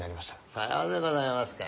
さようでございますか。